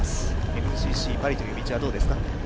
ＭＧＣ、パリという道はどうですか？